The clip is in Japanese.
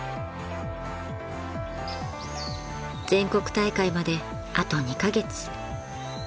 ［全国大会まであと２カ月］